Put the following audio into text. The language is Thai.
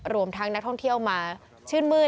รวมทั้งนักท่องเที่ยวมาชื่นมืด